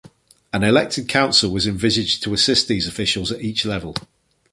An elected council was envisaged to assist these officials at each level.